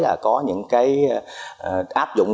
là có những cái áp dụng